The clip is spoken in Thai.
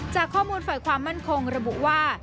จากข้อมูลฝ่ายความมั่นคงระบุว่า